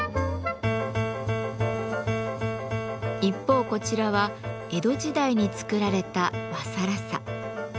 一方こちらは江戸時代に作られた和更紗。